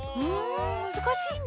むずかしいね。